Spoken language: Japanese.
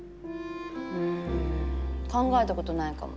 うん考えたことないかも。